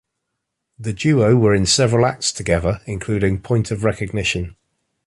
The duo were in several acts together including Point of Recognition.